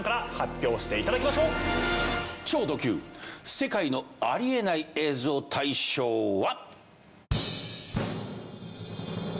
世界のありえない映像大賞」は。